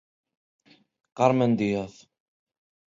Carmen Díaz.